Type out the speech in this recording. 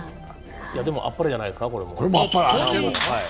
でもあっぱれじゃないですか。